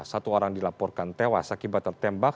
satu orang dilaporkan tewas akibat tertembak